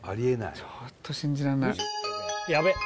ちょっと信じらんないヤベッ